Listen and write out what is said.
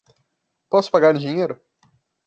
Posso pagar em dinheiro?